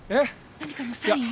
何かのサイン？